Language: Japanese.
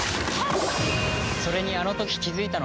それにあの時気づいたのだ。